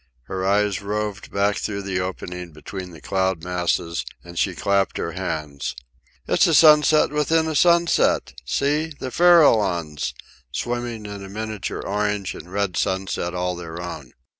Her eyes roved back through the opening between the cloud masses, and she clapped her hands. "It's a sunset within a sunset! See! The Farallones!"—swimming in a miniature orange and red sunset all their own.